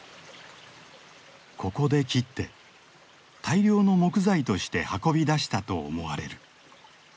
ここで切って大量の木材として運び出したと思われる。